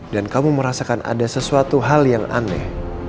dan kamu merasakan ada sesuatu hal yang aneh